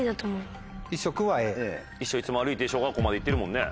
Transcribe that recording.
いつも歩いて小学校まで行ってるもんね。